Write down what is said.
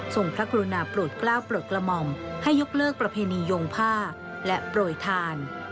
ส่งพระกรุณาปลูดกล้าวปลูดกลมอมให้ยกเลิกประเภนีโยงพ่าและปล่อยทาน